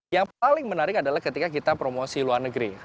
yang paling menarik adalah ketika kita promosi luar negeri